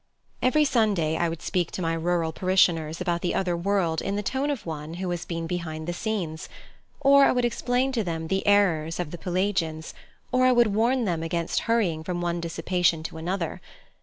Every Sunday I would speak to my rural parishioners about the other world in the tone of one who has been behind the scenes, or I would explain to them the errors of the Pelagians, or I would warn them against hurrying from one dissipation to another.